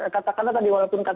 katakanlah tadi walaupun